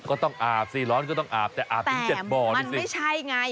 ก็ต้องอาบสิร้อนก็ต้องอาบแต่อาบถึงเจ็ดบ่อนี่สิไม่ใช่ไง